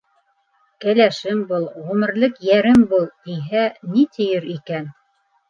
«Кәләшем бул, ғүмерлек йәрем бул!» - тиһә, ни тиер икән?